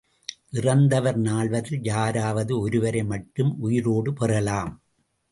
இறந்தவர் நால்வரில் யாராவது ஒருவரை மட்டும் உயிரோடு பெறலாம்.